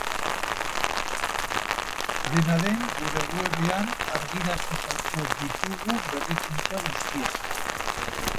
Dena den, gure webean argitaratuko ditugu berrikuntza guztiak.